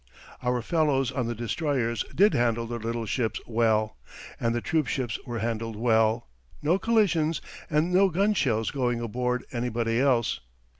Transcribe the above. Our fellows on the destroyers did handle their little ships well. And the troop ships were handled well no collisions and no gun shells going aboard anybody else.